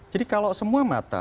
jadi kalau semua mata